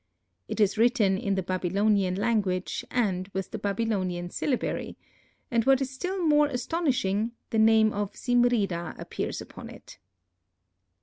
It is written in the Babylonian language and with the Babylonian syllabary, and what is still more astonishing, the name of Zimrida appears upon it.